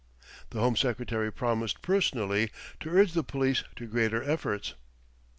The Home Secretary promised personally to urge the police to greater efforts.